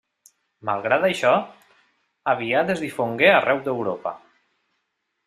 Malgrat això, aviat es difongué arreu d'Europa.